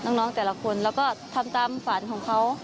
น้องแต่ละคนแล้วก็ทำตามฝันของเขา